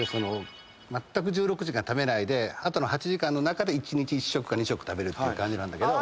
まったく１６時間食べないであとの８時間の中で一日１食か２食食べるっていう感じなんだけど。